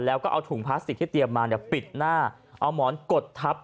แล้วก็เอาถุงพลาสติกที่เตรียมมาปิดหน้าเอาหมอนกดทับ